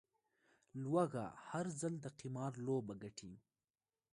لوږه، هر ځل د قمار لوبه ګټي